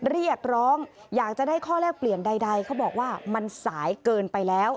เรียกร้องอยากจะได้ข้อแรกเปลี่ยนใดเขาบอกว่ามันสายเกินไปแล้ว